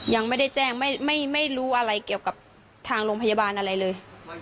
ยังไม่ได้แจ้งไม่รู้อะไรเกี่ยวกับทางโรงพยาบาลอะไรเลย